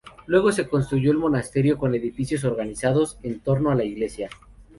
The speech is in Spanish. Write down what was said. Luego se construyó el monasterio con edificios organizados en torno a la iglesia.